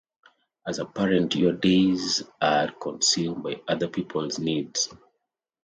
As a parent your days are consumed by other people's needs.